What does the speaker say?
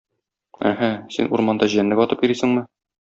Әһә, син урманда җәнлек атып йөрисеңме?